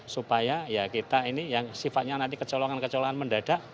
supaya ya kita ini yang sifatnya nanti kecolongan kecolongan mendadak